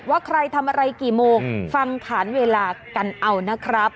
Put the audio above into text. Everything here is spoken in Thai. ว่าใครทำอะไรกี่โมงฟังฐานเวลากันเอานะครับ